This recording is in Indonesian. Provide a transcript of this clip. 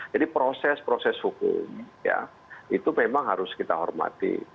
jadi proses proses hukum itu memang harus kita hormati